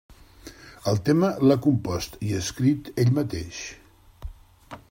El tema l'ha compost i escrit ell mateix.